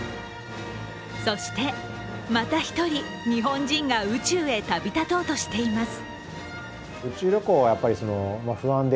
そしてまた１人、日本人が宇宙へ旅立とうとしています。